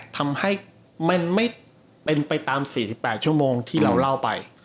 ทำให้มันไม่เป็นไปตาม๔๘ชั่วโมงที่เราเล่าไป